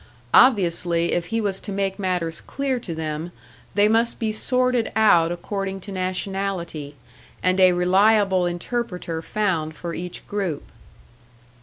Obviously, if he was to make matters clear to them, they must be sorted out according to nationality, and a reliable interpreter found for each group.